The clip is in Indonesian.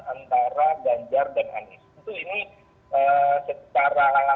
antara ganjar dan anies itu ini secara